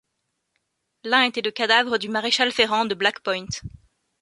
L’un était le cadavre du maréchal ferrant de Black-Point.